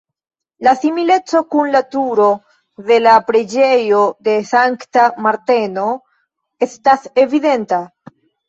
La simileco kun la Turo de la Preĝejo de Sankta Marteno estas evidenta.